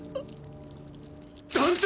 団長！